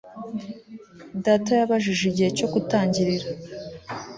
Data yabajije igihe cyo gutangirira